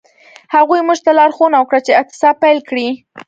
هغوی موږ ته لارښوونه وکړه چې اعتصاب پیل کړئ.